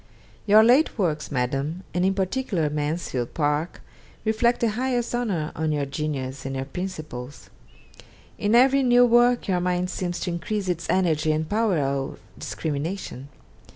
'Your late works, Madam, and in particular "Mansfield Park," reflect the highest honour on your genius and your principles. In every new work your mind seems to increase its energy and power of discrimination.